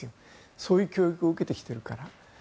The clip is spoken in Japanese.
そういう教育を受けてきているから。